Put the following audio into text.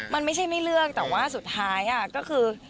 มันไม่ใช่ไม่เลือกแต่ว่าสุดท้ายก็คือ